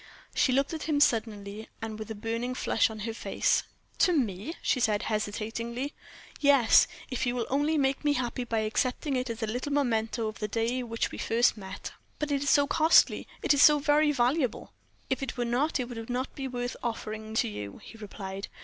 She looked at him suddenly, and with a burning flush on her face. "To me?" she said, hesitatingly. "Yes, if you will only make me happy by accepting it as a little memento of the day on which we first met." "But it is so costly it is so very valuable." "If it were not it would not be worth offering to you," he replied.